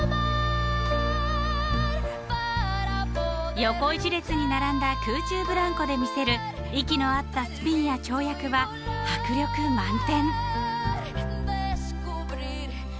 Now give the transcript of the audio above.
［横一列に並んだ空中ブランコで見せる息の合ったスピンや跳躍は迫力満点］